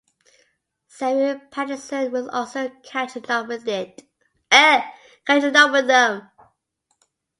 Samuel Pattison was also catching up with them.